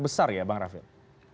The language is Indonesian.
besar ya bang raffil